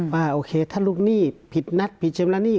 ว่าโอเคถ้าลูกหนี้ผิดนัดผิดชำระหนี้